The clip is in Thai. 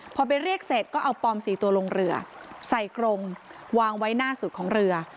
พอไปเรียกเสร็จก็เอาปลอม๔ตัวลงเรือใส่กรงวางไว้หน้าสุดของเรือ